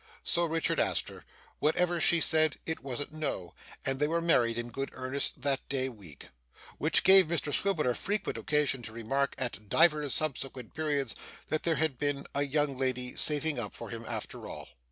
So Richard asked her; whatever she said, it wasn't No; and they were married in good earnest that day week. Which gave Mr Swiveller frequent occasion to remark at divers subsequent periods that there had been a young lady saving up for him after all.